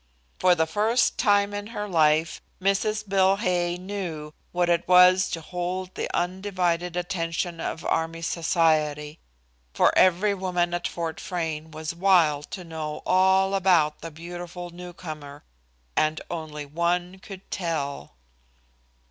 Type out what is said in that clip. For the first time in her life Mrs. Bill Hay knew what it was to hold the undivided attention of army society, for every woman at Fort Frayne was wild to know all about the beautiful newcomer, and only one could tell.